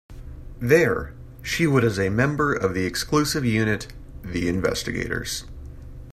There, she was a member of the exclusive unit "The Investigators".